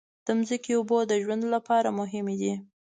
د ځمکې اوبو د ژوند لپاره مهمې دي.